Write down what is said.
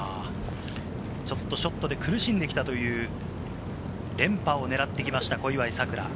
ちょっとショットで苦しんできたという、連覇を狙ってきました、小祝さくら。